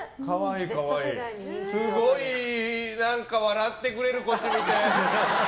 すごい、何か笑ってくれるこっち見て。